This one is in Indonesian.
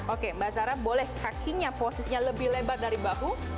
oke mbak sarah boleh kakinya posisinya lebih lebar dari bahu